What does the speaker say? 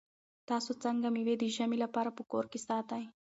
تاسو څنګه مېوې د ژمي لپاره په کور کې ساتئ؟